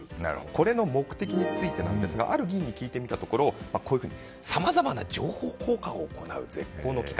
これの目的についてある議員に聞いてみたところさまざまな情報交換を行う絶好の機会。